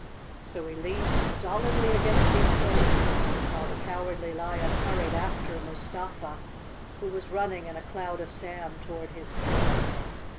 So he leaned stolidly against the enclosure, while the Cow¬ ardly Lion hurried after Mustafa, who was running in a cloud of sand toward his tent.